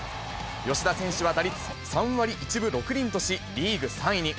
吉田選手は打率３割１分６厘とし、リーグ３位に。